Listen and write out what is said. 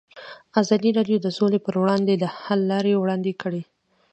ازادي راډیو د سوله پر وړاندې د حل لارې وړاندې کړي.